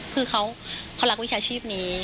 คือเขารักวิชาชีพนี้